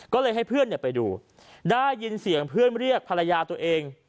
ก็เลยให้เพื่อนไปดูได้ยินเสียงเพื่อนเรียกภรรยาตัวเอง